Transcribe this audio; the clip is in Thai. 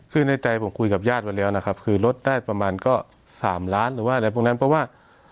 คือในใจผมคุยกับญาติมาแล้วนะครับคือลดได้ประมาณก็๓ล้านหรือว่าอะไรพวกนั้นเพราะว่า